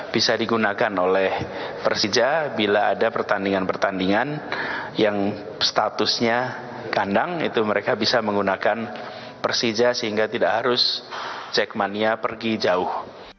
bisa digunakan oleh persija bila ada pertandingan pertandingan yang statusnya kandang itu mereka bisa menggunakan persija sehingga tidak harus jackmania pergi jauh